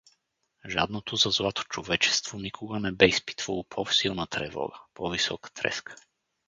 Жадното за злато човечество никога не бе изпитвало по-силна тревога, по-висока треска.